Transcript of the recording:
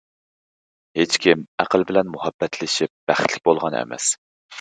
ھېچكىم ئەقىل بىلەن مۇھەببەتلىشىپ بەختلىك بولغان ئەمەس.